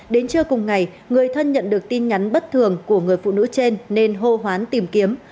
đến trưa cùng ngày người thân nhận được tin nhắn bất thường của người phụ nữ trên nên hô hoán tìm kiếm